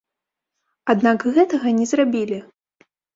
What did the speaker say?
Аднак гэтага не зрабілі.